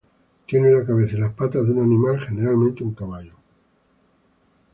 Tiene la cabeza y las patas de un animal, generalmente un caballo.